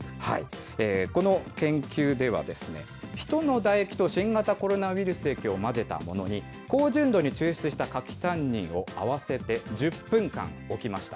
この研究では、人の唾液と新型コロナウイルス液を混ぜたものに、高純度に抽出した柿タンニンを合わせて１０分間置きました。